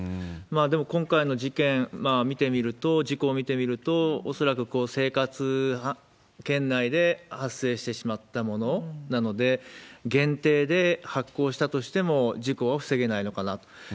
でも、今回の事件見てみると、事故を見てみると、恐らく生活圏内で発生してしまったものなので、限定で発行したとしても事故は防げないのかなと。